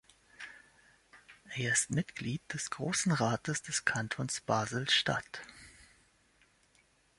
Er ist Mitglied des Grossen Rates des Kantons Basel-Stadt.